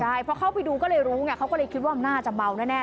ใช่พอเข้าไปดูก็เลยรู้ไงเขาก็เลยคิดว่าน่าจะเมาแน่